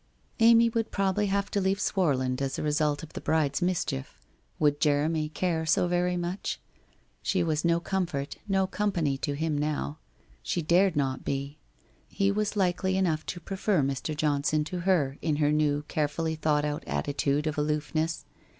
Amy would probably have to leave Swarland as a result of the bride's mischief. Would Jeremy care so very much ? She was no comfort, no company to him now. She dared not be. He was likely enough to prefer Mr. Johnson to her in her new carefully thought out attitude of aloofness.